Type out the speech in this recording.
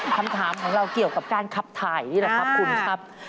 คำถามของเราเกี่ยวกับการขับถ่ายนี่แหละครับคุณครับ